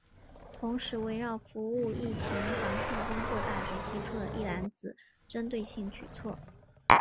同时围绕服务疫情防控工作大局提出了“一揽子”针对性举措